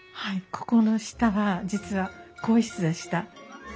ここの下は実は更衣室でした。